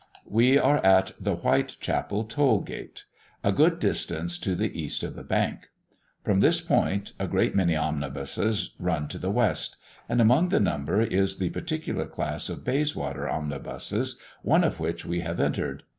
We are at the Whitechapel toll gate, a good distance to the East of the Bank. From this point, a great many omnibuses run to the West; and among the number is the particular class of Bayswater omnibuses one of which we have entered.